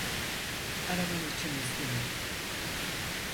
Araban için üzgünüm.